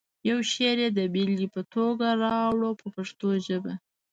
یو شعر یې د بېلګې په توګه راوړو په پښتو ژبه.